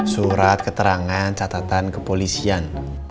surat keterangan catatan kepolisian